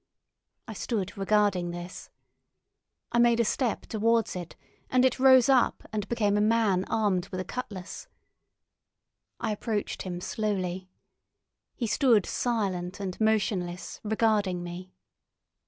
I stood regarding this. I made a step towards it, and it rose up and became a man armed with a cutlass. I approached him slowly. He stood silent and motionless, regarding me.